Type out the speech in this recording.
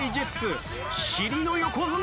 尻の横綱